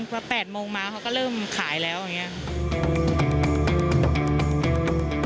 พอ๘โมงมาเขาก็เริ่มขายแล้วอย่างนี้ค่ะ